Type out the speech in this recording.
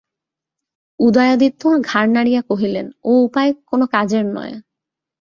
উদয়াদিত্য ঘাড় নাড়িয়া কহিলেন, ও উপায় কোনো কাজের নয়।